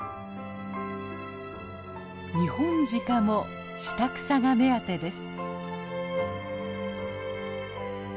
ニホンジカも下草が目当てです。